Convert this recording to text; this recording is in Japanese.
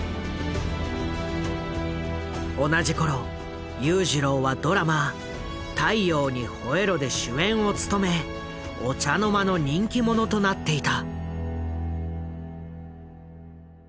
同じ頃裕次郎はドラマ「太陽にほえろ！」で主演を務めお茶の間の人気者となっていた。